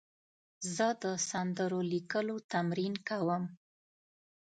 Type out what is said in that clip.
زه د سندرو لیکلو تمرین کوم.